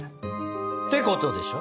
てことでしょ？